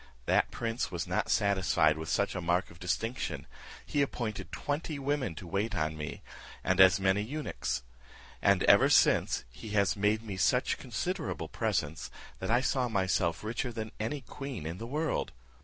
That prince was not satisfied with such a mark of distinction; he appointed twenty women to wait on me, and as many eunuchs; and ever since he has made me such considerable presents, that I saw myself richer than any queen in the world.